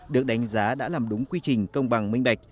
được đánh giá đã làm đúng quy trình công bằng minh bạch